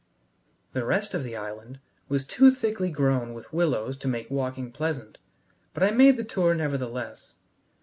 The rest of the island was too thickly grown with willows to make walking pleasant, but I made the tour, nevertheless.